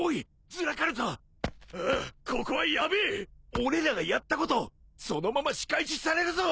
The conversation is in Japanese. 俺らがやったことそのまま仕返しされるぞ！